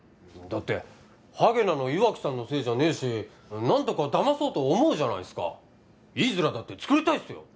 だってハゲなの岩城さんのせいじゃねえし何とかだまそうと思うじゃないっすかいいヅラだってつくりたいっすよ